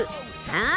［さあ